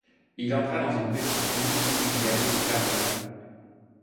Il entra dans une petite rue où il y a beaucoup de jardins.